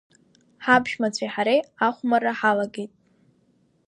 Ҳаԥшәмацәеи ҳареи ахәмарра ҳалагеит.